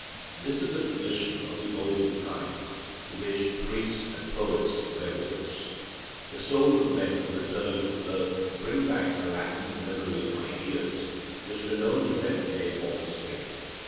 This is a tradition of the olden time, to which priests and poets bear witness. The souls of men returning to earth bring back a latent memory of ideas, which were known to them in a former state.